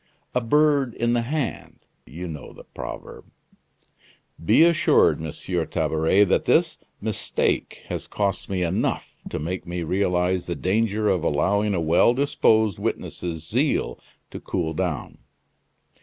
'A bird in the hand' you know the proverb." "Be assured, Monsieur Tabaret, that this mistake has cost me enough to make me realize the danger of allowing a well disposed witness's zeal to cool down."